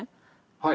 はい。